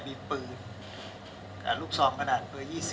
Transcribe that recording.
มีปืนลูกซองขนาดปืน๒๐